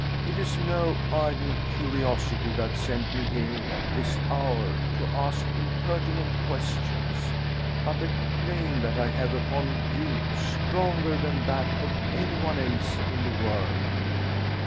It is no idle curiosity that sent me here at this hour to ask impertinent questions, but a claim that I have upon you, stronger than that of any one else in the world."